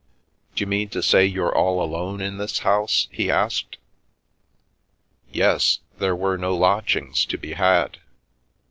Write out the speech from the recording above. " D'you mean to say you're all alone in this house ?" he asked. " Yes. There were no lodgings to be had.